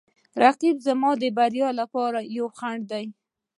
رقیب زما د بریا لپاره یو خنډ دی